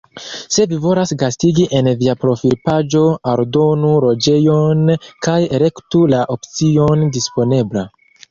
Se vi volas gastigi, en via profilpaĝo aldonu loĝejon kaj elektu la opcion "Disponebla".